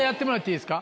いいですか？